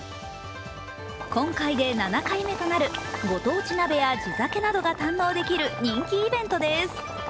今回で７回目となるご当地鍋や地酒などが堪能できる人気イベントです。